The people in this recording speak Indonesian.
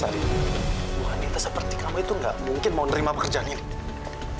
ibu wanita seperti kamu itu gak mungkin mau nerima pekerjaan ini